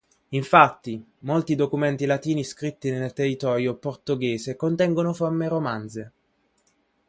Infatti, molti documenti latini scritti nel territorio portoghese contengono forme romanze.